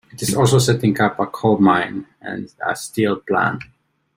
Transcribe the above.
It is also setting up a coal mine and a steel plan.